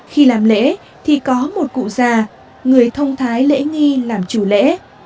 khi làm lễ thì có một cụ già người thông thái lễ nghi làm chủ lễ